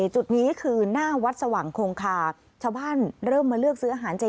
จุดนี้คือหน้าวัดสว่างคงคาชาวบ้านเริ่มมาเลือกซื้ออาหารเจ